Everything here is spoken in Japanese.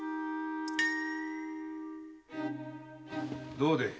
どうでい？